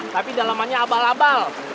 tapi dalamannya abal abal